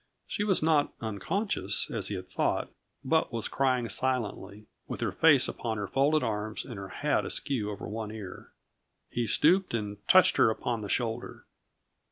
She was not unconscious, as he had thought, but was crying silently, with her face upon her folded arms and her hat askew over one ear. He stooped and touched her upon the shoulder.